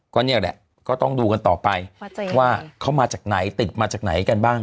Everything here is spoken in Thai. ก็เนี่ยแหละก็ต้องดูกันต่อไปว่าเขามาจากไหนติดมาจากไหนกันบ้าง